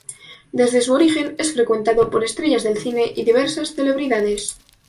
Desde su origen es frecuentado por estrellas del cine y diversas celebridades.